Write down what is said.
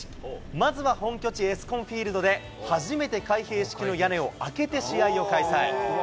まずは本拠地、エスコンフィールドで初めて開閉式の屋根を開けて試合を開催。